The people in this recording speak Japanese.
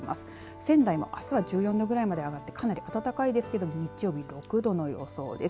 仙台もあすは１４度ぐらいまで上がって、かなり暖かいですが日曜日６度の予想です。